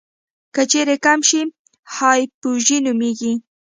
که چیرې کم شي هایپوژي نومېږي.